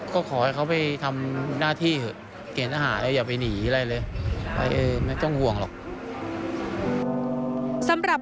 ก็ขอเขาไปทำหน้าที่แต่อย่าไปหนีอะไรเลยไม่ต้องห่วงหรอก